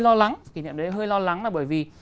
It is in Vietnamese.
lo lắng kỷ niệm đấy hơi lo lắng là bởi vì